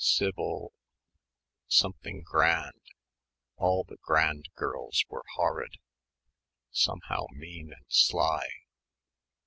Sivvle ... something grand All the grand girls were horrid ... somehow mean and sly